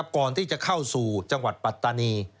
ก่อนที่จะเข้าสู่จังหวัดปัตตานี